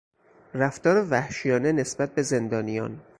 رفتار وحشیانه نسبت به زندانیان